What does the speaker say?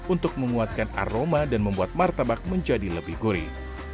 untuk menguatkan aroma dan membuat martabak menjadi lebih gurih